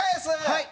はい。